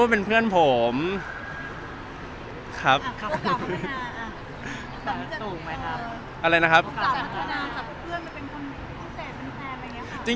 จากเพื่อนเพื่อนเป็นคนพิเศษเป็นแฟนไหม